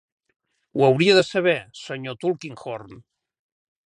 Ho hauria de saber, sr. Tulkinghorn.